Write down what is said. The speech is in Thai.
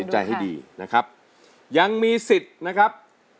ใช่หรือไม่ใช้ครับ